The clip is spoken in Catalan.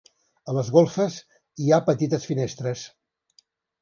A les golfes hi ha petites finestres.